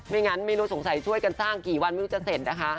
งั้นไม่รู้สงสัยช่วยกันสร้างกี่วันไม่รู้จะเสร็จนะคะ